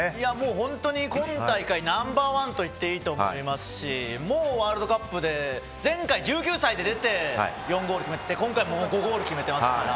本当に、今大会ナンバー１と言っていいと思いますし前回、１９歳で出て４ゴール決めて今回はもう５ゴール決めていますから。